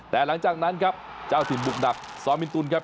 แต่หลังจากนั้นครับเจ้าถิ่นบุกหนักซอมินตุลครับ